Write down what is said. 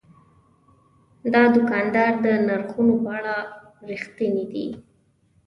دا دوکاندار د نرخونو په اړه رښتینی دی.